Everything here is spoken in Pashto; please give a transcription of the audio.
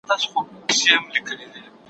ما لس كاله سلطنت په تا ليدلى